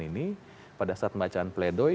ini pada saat pembacaan pledoi